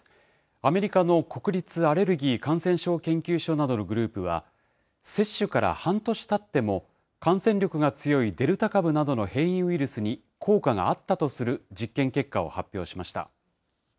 アメリカの国立アレルギー・感染症研究所などのグループは、接種から半年たっても、感染力が強いデルタ株などの変異ウイルスに効果があったとする実験結果を発表しました。